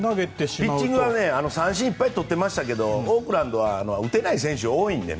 ピッチングは三振いっぱい取っていましたけどオークランドは打てない選手多いので。